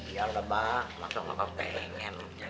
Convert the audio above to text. iya udah bah langsung kagak pengen